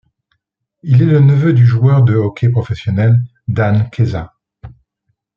Il est le neveu du joueur de hockey professionnel, Dan Kesa.